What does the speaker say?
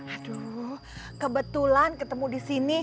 aduh kebetulan ketemu di sini